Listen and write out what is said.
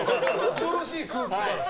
恐ろしい空気が。